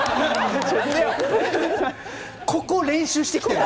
ここを練習して来てるの？